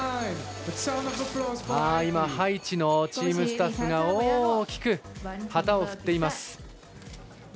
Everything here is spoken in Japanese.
今、ハイチのチームスタッフが大きく旗を振っています。